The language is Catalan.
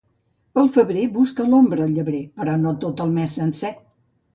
Pel febrer busca l'ombra el llebrer, però no tot el mes sencer.